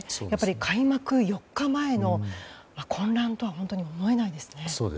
開幕４日前の混乱とは本当に思えないですね。